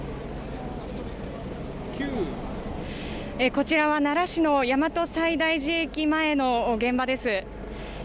こちらは奈良市の大和西大寺駅前の現場です。